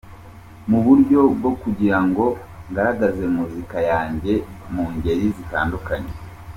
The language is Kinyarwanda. mu buryo bwo kugira ngo ngaragaze muzika yanjye mu ngeri zitandukanye.